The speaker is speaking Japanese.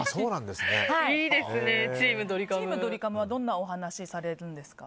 チームドリカムはどんなお話されるんですか？